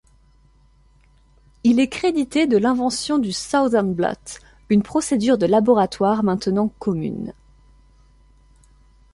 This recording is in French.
Il est crédité de l'invention du Southern blot, une procédure de laboratoire maintenant commune.